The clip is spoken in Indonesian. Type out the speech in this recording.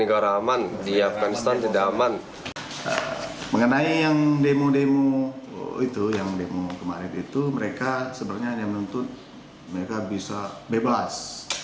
yang demo kemarin itu mereka sebenarnya hanya menuntut mereka bisa bebas